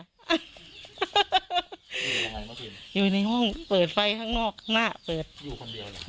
อยู่ยังไงเมื่อคืนอยู่ในห้องเปิดไฟทั้งนอกทั้งหน้าเปิดอยู่คนเดียว